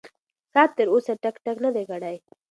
ساعت تر اوسه ټک ټک نه دی کړی.